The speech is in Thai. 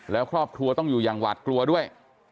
แล้วครอบครัวต้องอยู่อย่างหวาดกลัวด้วย